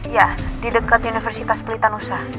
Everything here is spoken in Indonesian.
iya di dekat universitas pelitan usah